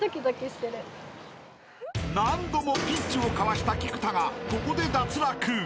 ［何度もピンチをかわした菊田がここで脱落］